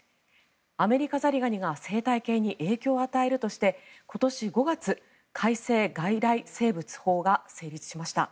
アメリカザリガニが生態系に影響を与えるとして今年５月、改正外来生物法が成立しました。